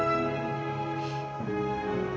フッ。